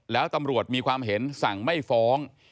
แล้วตำรวจมีความเห็นสั่งไม่ฟ้อง